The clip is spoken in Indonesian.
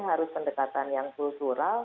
harus pendekatan yang kultural